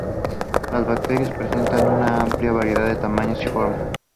Las bacterias presentan una amplia variedad de tamaños y formas.